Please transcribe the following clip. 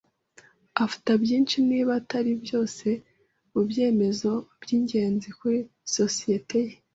Afata byinshi, niba atari byose, mubyemezo byingenzi kuri sosiyete ye.